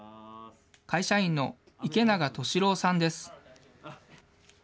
会社員の池永稔良さんです。